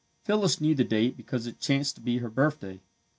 Phyllis knew the date because it chanced to be her birthday.